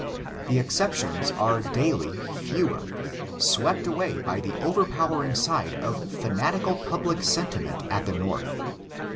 The exceptions are daily fewer, swept away by the overpowering side of fanatical public sentiment at the North.